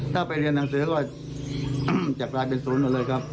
ถ้าไปเรียนหนังสือก็จะกลายเป็นศูนย์หมดเลยครับ